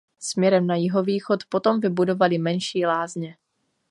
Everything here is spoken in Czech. Směrem na jihovýchod potom vybudovali menší lázně.